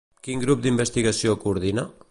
Quin grup d'investigació coordina?